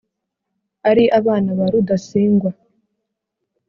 ari abana ba rudasingwa